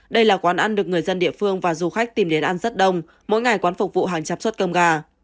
đây là quán ăn được người dân địa phương và du khách tìm đến ăn rất đông mỗi ngày quán phục vụ hàng trăm suất cơm gà